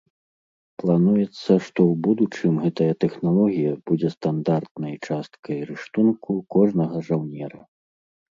Плануецца, што ў будучым гэтая тэхналогія будзе стандартнай часткай рыштунку кожнага жаўнера.